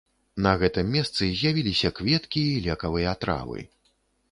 На гэтым месцы з'явіліся кветкі і лекавыя травы.